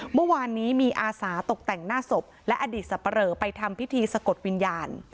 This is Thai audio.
เมื่อวานนี้มีอาสาตกแต่งหน้าศพและอดีตสับปะเหลอไปทำพิธีสะกดวิญญาณ